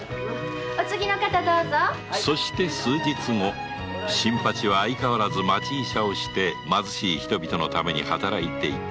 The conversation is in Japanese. そして数日後新八は相変わらず町医者をして貧しい人のために働いていた。